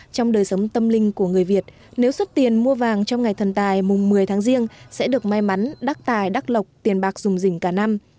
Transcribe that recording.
trong đời sống tâm linh của người việt nếu xuất tiền mua vàng trong ngày thần tài mùng một mươi tháng riêng sẽ được may mắn đắc tài đắc lộc tiền bạc dùng dỉnh cả năm